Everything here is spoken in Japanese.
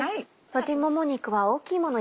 鶏もも肉は大きいもの